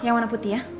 yang warna putih ya